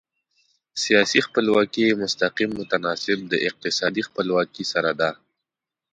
سیاسي خپلواکي مستقیم متناسب د اقتصادي خپلواکي سره ده.